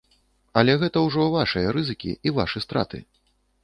Але гэта ўжо вашыя рызыкі і вашы страты.